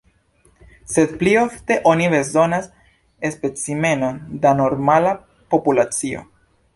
Sed pli ofte oni bezonas specimenon da normala populacio.